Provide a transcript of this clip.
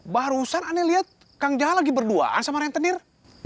barusan aneh lihat kang jahal lagi berduaan sama rentenir